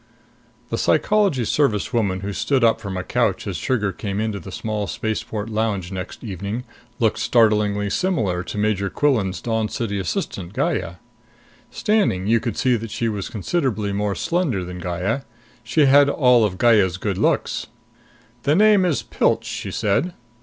The Psychology Service woman who stood up from a couch as Trigger came into the small spaceport lounge next evening looked startlingly similar to Major Quillan's Dawn City assistant, Gaya. Standing, you could see that she was considerably more slender than Gaya. She had all of Gaya's good looks. "The name is Pilch," she said.